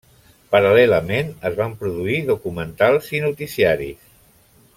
Paral·lelament, es van produir documentals i noticiaris.